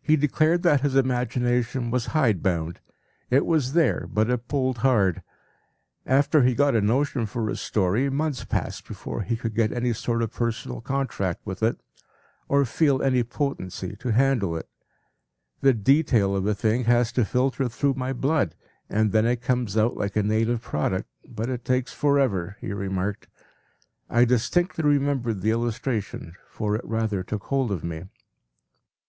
He declared that his imagination was hide bound; it was there, but it pulled hard. After he got a notion for a story, months passed before he could get any sort of personal contract with it, or feel any potency to handle it. “The detail of a thing has to filter through my blood, and then it comes out like a native product, but it takes forever,” he remarked. I distinctly remember the illustration, for it rather took hold of me.